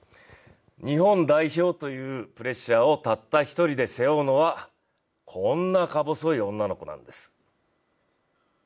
日本代表というプレッシャーをたった一人で背負うのはこんな、か細い女の子なんです。